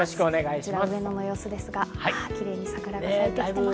こちら上野の様子ですが、キレイに桜が咲いてきてます。